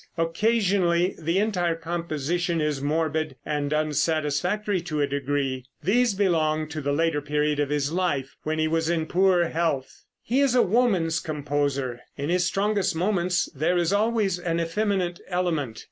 Occasionally the entire composition is morbid and unsatisfactory to a degree. These belong to the later period of his life, when he was in poor health. He is a woman's composer. In his strongest moments there is always an effeminate element.